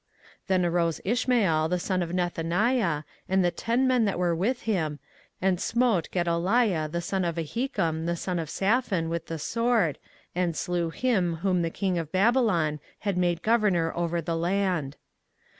24:041:002 Then arose Ishmael the son of Nethaniah, and the ten men that were with him, and smote Gedaliah the son of Ahikam the son of Shaphan with the sword, and slew him, whom the king of Babylon had made governor over the land.